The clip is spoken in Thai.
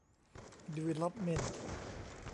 ดีเวล๊อปเมนต์